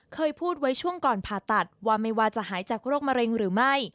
เคยพูดไว้ช่วงก่อนผ่าตัดว่าไม่ว่าจะหายจากโรคมะเร็งหรือไม่